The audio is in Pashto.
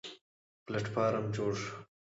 پلېټفارم جوړ شو.